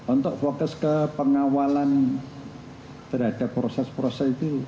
untuk fokus ke pengawalan terhadap proses proses itu